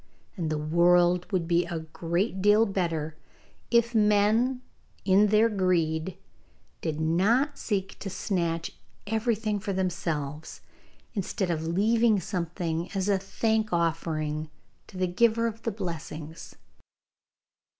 And the world would be a great deal better if men, in their greed, did not seek to snatch every thing for themselves, instead of leaving something as a thankoffering to the giver of the blessings.